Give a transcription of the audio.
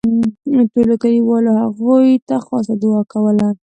ټولو کلیوالو هغوی ته خاصه دوعا کوله.